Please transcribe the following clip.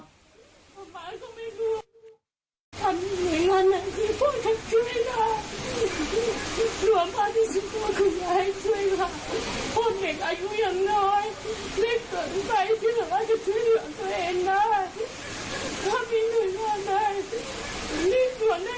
พวกเด็กอายุอย่างน้อยได้เกินไปที่หลังอาจจะช่วยเหลืองตัวเองได้